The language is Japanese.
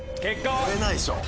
超えないでしょ。